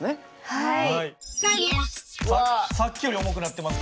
はい。